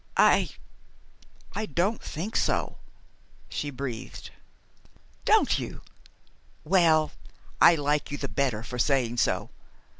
"I I don't think so," she breathed. "Don't you? Well, I like you the better for saying so.